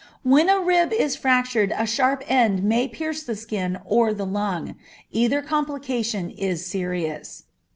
When a rib is fractured a sharp end may pierce the skin or the lung; either complication is serious.